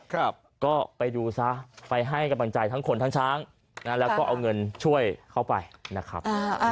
ครับก็ไปดูซะไปให้กำลังใจทั้งคนทั้งช้างนะแล้วก็เอาเงินช่วยเขาไปนะครับ